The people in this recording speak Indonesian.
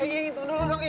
eh yang itu dulu dong